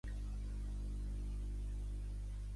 Un d'ells és l'actor nord-americà Sebastian Arcelus.